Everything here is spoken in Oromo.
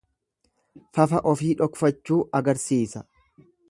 Fafa ofii dhokfachuu agarsiisa.